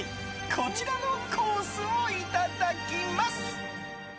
こちらのコースをいただきます。